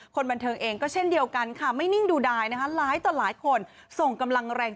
คนบันเทิงเองก็เช่นเดียวกันไม่นิ่งดูไดหลายคนส่งกำลังแรง